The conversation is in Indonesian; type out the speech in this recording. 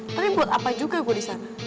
tapi buat apa juga ibu di sana